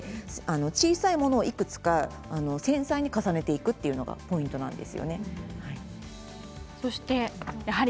小さいものをいくつか繊細に重ねていくというのがポイントです。